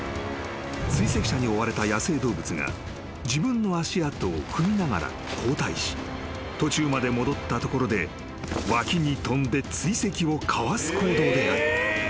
［追跡者に追われた野生動物が自分の足跡を踏みながら後退し途中まで戻ったところで脇に跳んで追跡をかわす行動である］